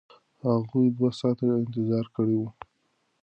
هغوی دوه ساعته انتظار کړی و.